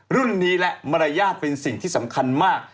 รุ่นนี้และมารยาทเป็นสิ่งที่สำคัญมาก